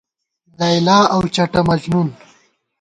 لیلی اؤ چٹہ مجنُون